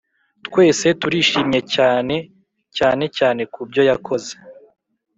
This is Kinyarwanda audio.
twese turishimye cyane, cyane cyane kubyo yakoze.